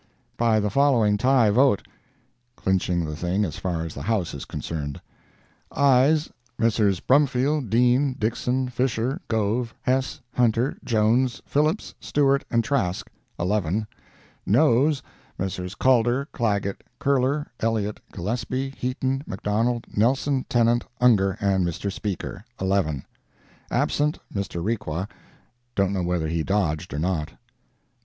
] by the following tie vote [clinching the thing as far as the House is concerned]. AYES—Messrs. Brumfield, Dean, Dixson, Fisher, Gove, Hess, Hunter, Jones, Phillips, Stewart and Trask—1l NOES—Messrs. Calder, Clagett, Curler, Elliott, Gillespie, Heaton, McDonald, Nelson, Tennant, Ungar and Mr. Speaker—11. ABSENT—Mr. Requa—don't know whether he dodged or not.